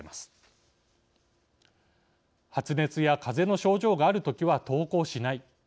発熱やかぜの症状があるときは登校しない。